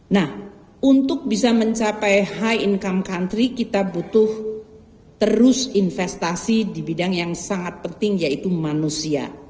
nah untuk bisa mencapai high income country kita butuh terus investasi di bidang yang sangat penting yaitu manusia